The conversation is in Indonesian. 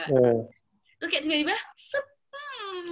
terus kayak tiba tiba sepem